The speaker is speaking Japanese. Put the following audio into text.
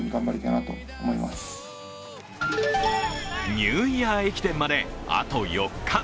ニューイヤー駅伝まであと４日。